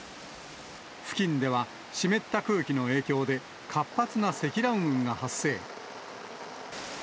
付近では、湿った空気の影響で、活発な積乱雲が発生。